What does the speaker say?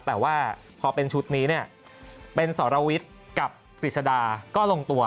แต่ว่าพอเป็นชุดนี้เนี่ยเป็นสรวิทย์กับกฤษดาก็ลงตัว